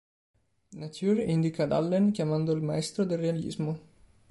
Nature" dedicata ad Allen, chiamandolo "Il maestro del realismo".